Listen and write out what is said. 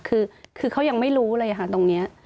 คือเขายังไม่รู้เลยค่ะตรงนี้